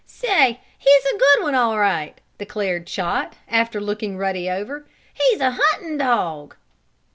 "Say, he's a good one all right!" declared Chot, after looking Ruddy over. "He's a hunting dog!"